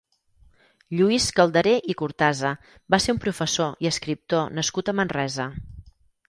Lluís Calderer i Cortasa va ser un professor i escriptor nascut a Manresa.